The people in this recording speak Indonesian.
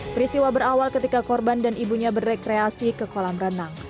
peristiwa berawal ketika korban dan ibunya berrekreasi ke kolam renang